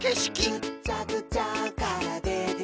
「ぐっちゃぐちゃからでてきたえ」